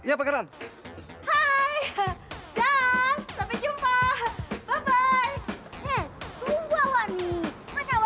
apaan lu mau